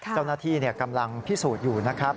เจ้าหน้าที่กำลังพิสูจน์อยู่นะครับ